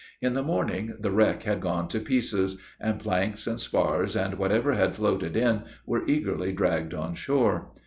In the morning the wreck had gone to pieces; and planks, and spars, and whatever had floated in, were eagerly dragged on shore.